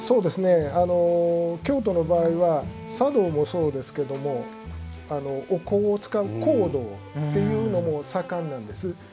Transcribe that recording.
京都の場合は茶道もそうですけどお香を使う、香道というのも盛んなんです。